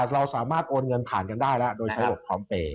เราสามารถโอนเงินผ่านกันได้แล้วโดยใช้ระบบพร้อมเปย์